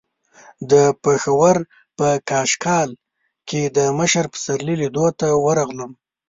د پېښور په کاکشال کې د مشر پسرلي لیدو ته ورغلم.